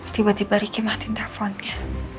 tiba tiba riki matiin teleponnya